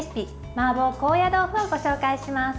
マーボー高野豆腐をご紹介します。